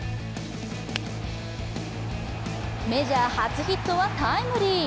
メジャー初ヒットはタイムリー。